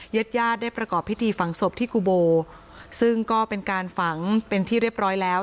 ญาติญาติได้ประกอบพิธีฝังศพที่กุโบซึ่งก็เป็นการฝังเป็นที่เรียบร้อยแล้ว